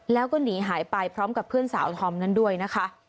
แล้วก็หนีหายไปพร้อมกับเพื่อนสาวธอมนั้นด้วยนะคะ